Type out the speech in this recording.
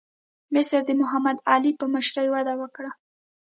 مصر د محمد علي په مشرۍ وده وکړه.